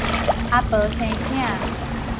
阿婆生囝